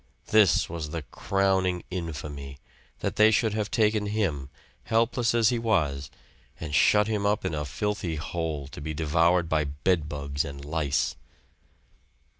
This was the crowning infamy that they should have taken him, helpless as he was, and shut him up in a filthy hole to be devoured by bedbugs and lice.